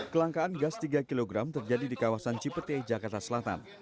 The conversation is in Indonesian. kelangkaan gas tiga kg terjadi di kawasan cipete jakarta selatan